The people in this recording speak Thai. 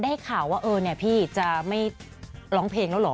ได้ข่าวว่าเออเนี่ยพี่จะไม่ร้องเพลงแล้วเหรอ